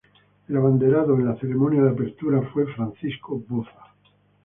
El abanderado en la ceremonia de apertura fue Francisco Boza.